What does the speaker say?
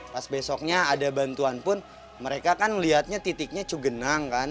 pas besoknya ada bantuan pun mereka kan melihatnya titiknya cugenang kan